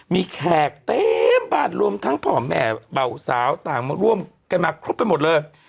มีแขกเต็มบ้านรวมทั้งพ่อแม่เบาสาวต่างมาร่วมกันมาครบไปหมดเลย